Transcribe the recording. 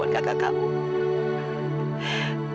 dia nggak pernah mengangkut kakak kamu